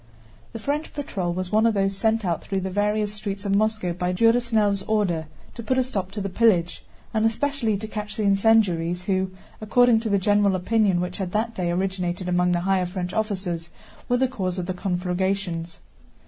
The French patrol was one of those sent out through the various streets of Moscow by Durosnel's order to put a stop to the pillage, and especially to catch the incendiaries who, according to the general opinion which had that day originated among the higher French officers, were the cause of the conflagrations.